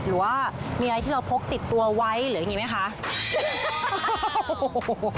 หรือว่ามีอะไรที่เราพกติดตัวไว้หรืออย่างนี้ไหมคะ